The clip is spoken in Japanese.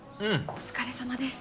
お疲れさまです。